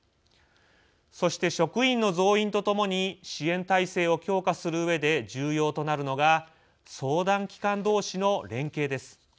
そして、職員の増員と共に支援体制を強化するうえで重要となるのが相談機関同士の連携です。